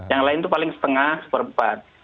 yang lain itu paling setengah seperempat